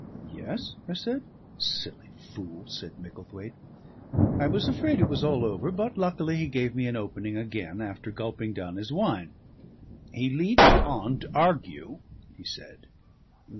"Yes?" I said. "Silly fool," said Micklethwaite. I was afraid it was all over, but luckily he gave me an opening again after gulping down his wine. "He leads you on to argue," he said.